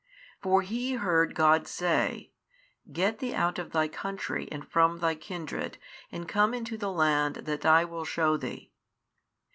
For he heard God say, Get thee out of thy country and from thy kindred and come into the land that I will shew thee.